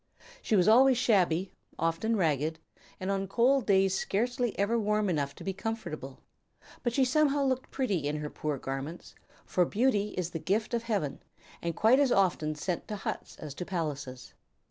She was always shabby, often ragged, and on cold days scarcely ever warm enough to be comfortable; but she somehow looked pretty in her poor garments, for beauty is the gift of Heaven, and quite as often sent to huts as to palaces.